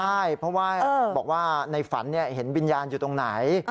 ใช่เพราะว่าบอกว่าในฝันเห็นวิญญาณอยู่ตรงไหน